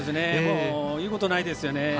言うことないですよね。